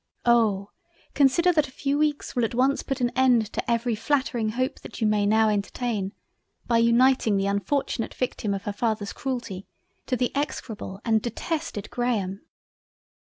Oh! consider that a few weeks will at once put an end to every flattering Hope that you may now entertain, by uniting the unfortunate Victim of her father's Cruelty to the execrable and detested Graham."